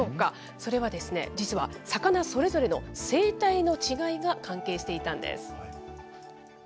それは実は魚それぞれの生態の違いが関係していたんです。